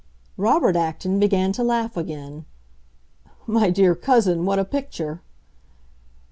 Robert Acton began to laugh again. "My dear cousin, what a picture!"